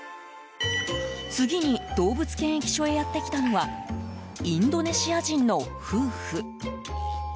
次に動物検疫所へやってきたのはインドネシア人の夫婦。